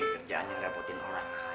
kerjaannya ngerepotin orang